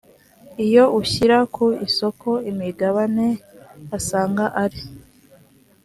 iyo ushyira ku isoko imigabane asanga ari